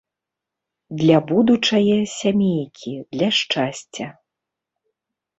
Для будучае сямейкі, для шчасця.